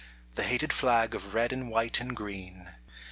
The hated flag of red and white and green.